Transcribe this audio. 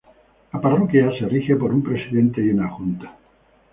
La parroquia se rige por un Presidente y una Junta.